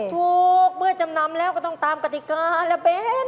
ถูกเมื่อจำนำแล้วก็ต้องตามกติกาแล้วเบ้น